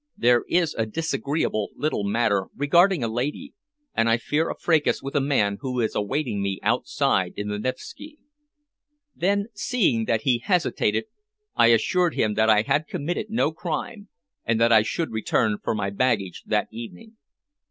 There is a disagreeable little matter regarding a lady, and I fear a fracas with a man who is awaiting me outside in the Nevski." Then, seeing that he hesitated, I assured him that I had committed no crime, and that I should return for my baggage that evening.